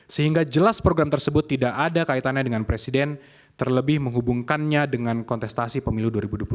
sehingga jelas program tersebut tidak ada kaitannya dengan presiden terlebih menghubungkannya dengan kontestasi pemilu dua ribu dua puluh empat